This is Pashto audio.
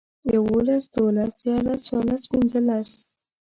يوولس، دوولس، ديارلس، څوارلس، پينځلس